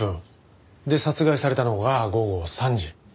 で殺害されたのが午後３時。